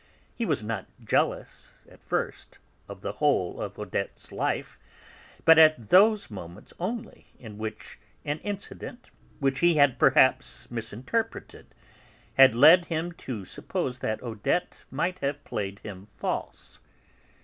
He was not jealous, at first, of the whole of Odette's life, but of those moments only in which an incident, which he had perhaps misinterpreted, had led him to suppose that Odette might have played him false.